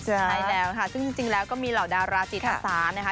ใช่แล้วค่ะซึ่งจริงแล้วก็มีเหล่าดาราจิตศาสตร์นะคะ